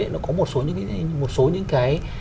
nó có một số những cái